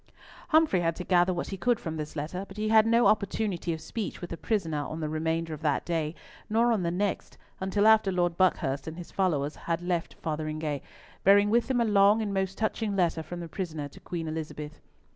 Humfrey had to gather what he could from this letter, but he had no opportunity of speech with the prisoner on the remainder of that day, nor on the next, until after Lord Buckhurst and his followers had left Fotheringhay, bearing with them a long and most touching letter from the prisoner to Queen Elizabeth.